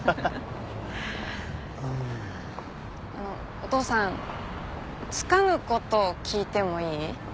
あのお父さんつかぬ事を聞いてもいい？